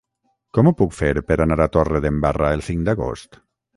Com ho puc fer per anar a Torredembarra el cinc d'agost?